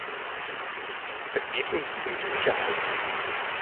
Es geht uns um die Sicherheit.